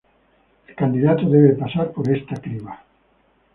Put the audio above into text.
El candidato debe pasar por esta criba.